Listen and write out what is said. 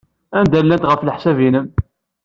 Anda ay llant, ɣef leḥsab-nnem?